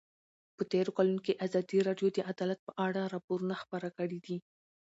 په تېرو کلونو کې ازادي راډیو د عدالت په اړه راپورونه خپاره کړي دي.